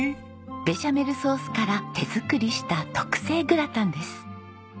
ベシャメルソースから手作りした特製グラタンです。